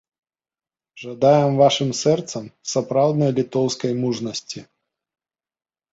Жадаем вашым сэрцам сапраўднай літоўскай мужнасці!